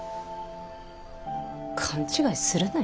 勘違いするなよ。